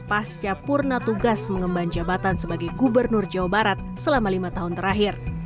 pasca purna tugas mengemban jabatan sebagai gubernur jawa barat selama lima tahun terakhir